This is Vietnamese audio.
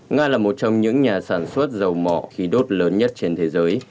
nga là một trong những nhà sản xuất dầu mỏ khí đốt lớn nhất trên thế giới